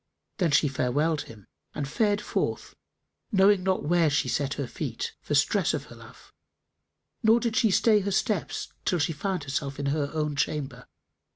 Then she farewelled him and fared forth, knowing not where she set her feet, for stress of her love; nor did she stay her steps till she found herself in her own chamber.